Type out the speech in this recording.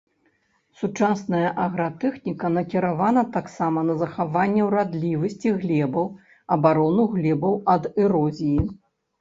Сучасная агратэхніка накіравана таксама на захаванне ўрадлівасці глебаў, абарону глебаў ад эрозіі.